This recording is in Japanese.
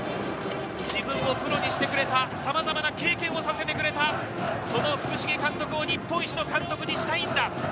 自分をプロにしてくれた、さまざまな経験をさせてくれた、その福重監督を日本一の監督にしたいんだ。